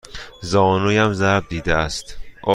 زانویم ضرب دیده است.